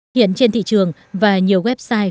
hiện trên thị trường và nhiều website